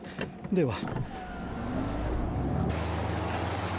では。